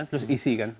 terus isi kan